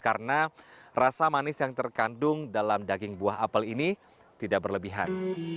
karena rasa manis yang terkandung dalam daging buah apel ini tidak berlebihan